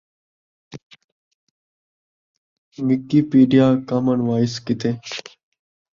wiki پیݙیا Common Voice کیتے